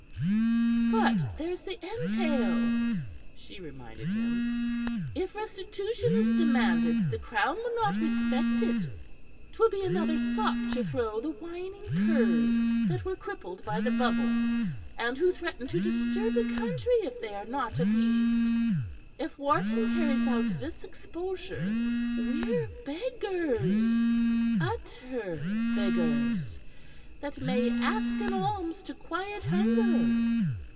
"But there's the entail," she reminded him. "If restitution is demanded, the Crown will not respect it. 'Twill be another sop to throw the whining curs that were crippled by the bubble, and who threaten to disturb the country if they are not appeased. If Wharton carries out this exposure, we're beggars utter beggars, that may ask an alms to quiet hunger."